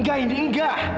gak usah gr